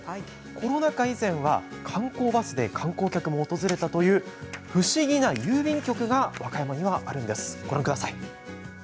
コロナ禍以前は観光バスで観光客も訪れたという不思議な郵便局が和歌山にはあるんです。